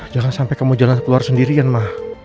jangan sampai kamu jalan keluar sendirian mah